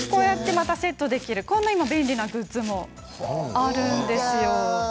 またセットができるこんな便利なものもあるんですよ。